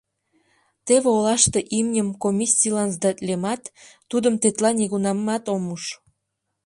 — Теве олаште имньым комиссийлан сдатлемат, тудым тетла нигунамат ом уж».